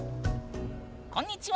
こんにちは。